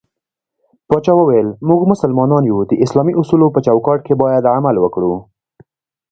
پاچا وويل: موږ مسلمانان يو د اسلامي اصولو په چوکات کې بايد عمل وکړو.